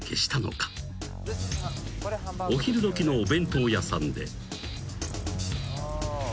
［お昼時のお弁当屋さんで］